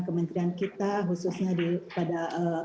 kementerian kita khususnya pada